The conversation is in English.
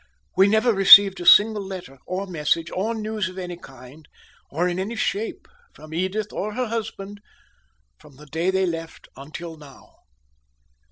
We never received a single letter, or message, or news of any kind, or in any shape, from Edith or her husband, from the day they left until now."